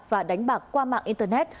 và đánh bạc qua mạng internet